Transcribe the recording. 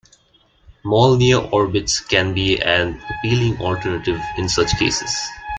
Molniya orbits can be an appealing alternative in such cases.